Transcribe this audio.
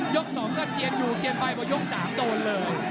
ยกสองก็เจียนอยู่เจียนไปพอยกสามโดนเริ่ม